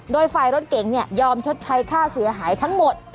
โดยฝ่ายรถเก๋งยอมชดใช้ค่าเสียหายทั้งหมด